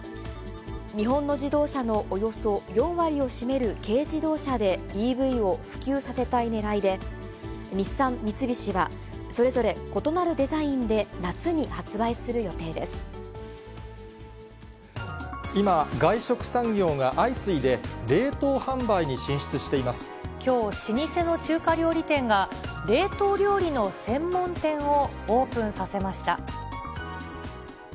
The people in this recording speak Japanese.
日本の自動車のおよそ４割を占める軽自動車で、ＥＶを普及させたいねらいで、日産、三菱は、それぞれ異なるデザインで、今、外食産業が相次いで、きょう、老舗の中華料理店が、冷凍料理の専門店をオープンさせました。